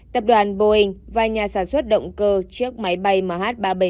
tập đoàn boeing và nhà sản xuất động cơ chiếc máy bay mh ba trăm bảy mươi